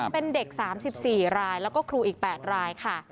เป็นเด็ก๓๔รายแล้วก็ครูอีก๘รายค่ะ